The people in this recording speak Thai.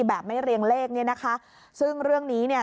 แบบไม่เรียงเลขเนี่ยนะคะซึ่งเรื่องนี้เนี่ย